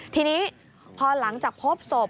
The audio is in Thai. ทีนี้พอหลังจากพบศพ